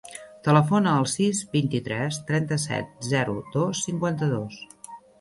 Telefona al sis, vint-i-tres, trenta-set, zero, dos, cinquanta-dos.